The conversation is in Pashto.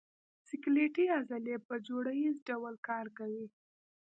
سکلیټي عضلې په جوړه ییز ډول کار کوي.